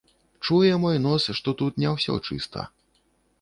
Чуе мой нос, што тут не ўсё чыста.